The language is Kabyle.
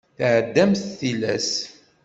Tɛeddamt tilas.